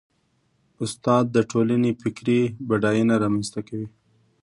استاد د ټولنې فکري بډاینه رامنځته کوي.